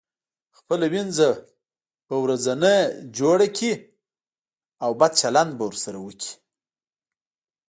خپله وينځه به ورځنې جوړه کړئ او بد چلند به ورسره وکړئ.